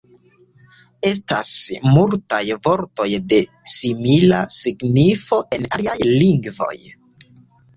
Estas multaj vortoj de simila signifo en aliaj lingvoj.